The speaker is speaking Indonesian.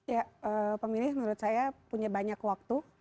ya pemilih menurut saya punya banyak waktu